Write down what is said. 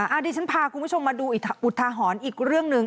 อาทิตย์ฉันพาคุณผู้ชมมาดูอุทธาหรณ์อีกเรื่องหนึ่ง